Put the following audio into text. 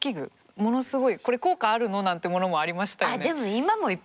ものすごいこれ効果あるの？なんてものもありましたよね。